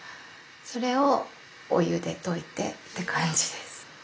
それをお湯で溶いてって感じです。